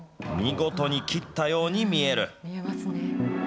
見事に切ったように見える。